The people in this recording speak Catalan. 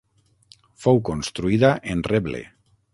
Fou construïda en reble.